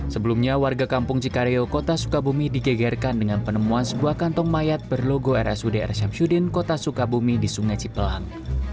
sebelumnya warga kampung cikareo kota sukabumi digegerkan dengan penemuan sebuah kantong mayat berlogo rsud r syamsuddin kota sukabumi di sungai cipelang